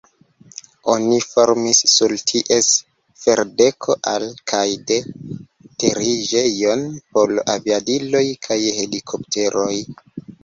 Oni formis sur ties ferdeko al- kaj de-teriĝejon por aviadiloj kaj helikopteroj.